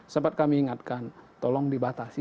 sempat kami ingatkan tolong dibatasi